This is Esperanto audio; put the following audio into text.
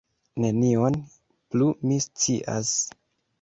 Nenion plu mi scias.